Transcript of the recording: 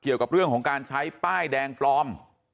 เกี่ยวกับเรื่องของการใช้ป้ายแดงปลอม